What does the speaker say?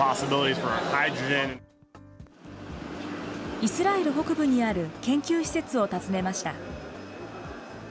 イスラエル北部にある研究施設を訪ねました。